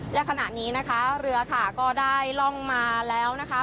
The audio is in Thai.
และขณะนี้นะคะเรือค่ะก็ได้ล่องมาแล้วนะคะ